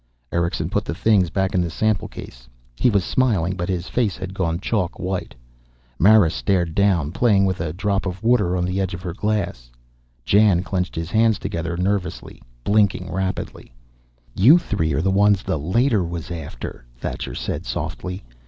Erickson put the things back in the sample case. He was smiling, but his face had gone chalk white. Mara stared down, playing with a drop of water on the edge of her glass. Jan clenched his hands together nervously, blinking rapidly. "You three are the ones the Leiter was after," Thacher said softly.